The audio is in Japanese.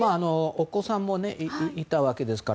お子さんもいたわけですから。